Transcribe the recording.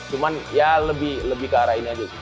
cuman ya lebih ke arah ini aja sih